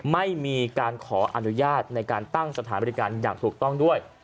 ไม่มีการขออนุญาตในการตั้งสถานบริการอย่างถูกต้องด้วย